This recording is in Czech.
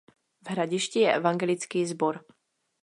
V Hradišti je evangelický sbor.